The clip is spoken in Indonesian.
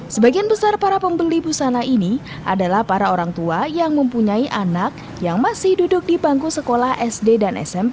sebagian besar para pembeli busana ini adalah para orang tua yang mempunyai anak yang masih duduk di bangku sekolah sd dan smp